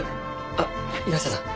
あっ岩下さん